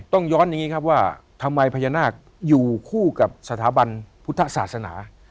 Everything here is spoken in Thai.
ต้องย้อนอย่างนี้ครับว่าทำไมพญานาคอยู่คู่กับสถาบันพุทธศาสนา